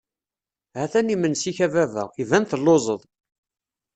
Ha-t-an yimensi-k a baba, iban telluẓeḍ.